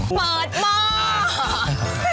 เปิดหม้อ